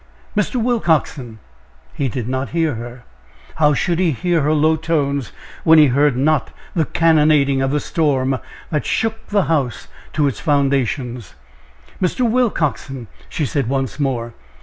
"Mr. Willcoxen!" He did not hear her how should he hear her low tones, when he heard not the cannonading of the storm that shook the house to its foundations? "Mr. Willcoxen!" she said once more.